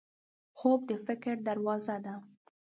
خوب د فکر دروازه ده